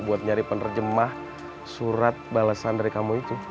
buat nyari penerjemah surat balasan dari kamu itu